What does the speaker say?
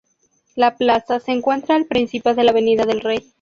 La Plaza, se encuentra al principio de la Avenida del Rey.